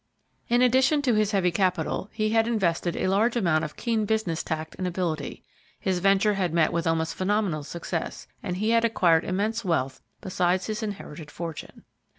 In addition to his heavy capital, he had invested a large amount of keen business tact and ability; his venture had met with almost phenomenal success and he had acquired immense wealth besides his inherited fortune.